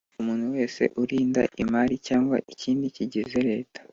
Ni umuntu wese urinda imari cyangwa ikindi kigize leta